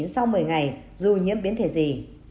sau một mươi ngày dù nhiễm biến thể gì